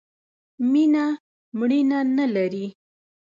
مینه مړینه نه لرئ